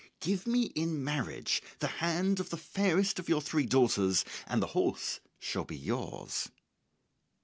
Give me in marriage the hand of the fairest of your three daughters, and the horse shall be yours."